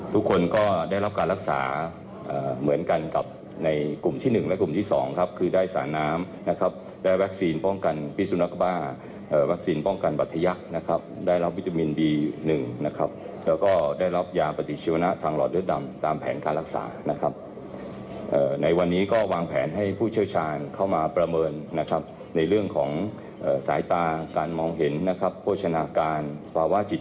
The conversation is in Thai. ทุกคนก็ได้รับการรักษาเหมือนกันกับในกลุ่มที่๑และกลุ่มที่๒ครับคือได้สารน้ำนะครับได้แว็กซีนป้องกันพิสุนักบาลแว็กซีนป้องกันบัตยักษ์นะครับได้รับวิตามินบี๑นะครับแล้วก็ได้รับยาปฏิชีวนะทางหลอดเลือดดำตามแผนการรักษานะครับในวันนี้ก็วางแผนให้ผู้เชี่ยวชาญเข้ามาประเมิ